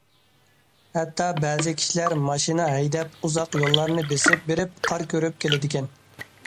ھەتتا بەزى كىشىلەر ماشىنا ھەيدەپ ئۇزاق يوللارنى بېسىپ بېرىپ قار كۆرۈپ كېلىدىكەن.